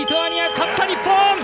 勝った、日本！